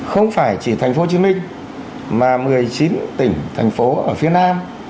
không phải chỉ thành phố hồ chí minh mà một mươi chín tỉnh thành phố ở phía nam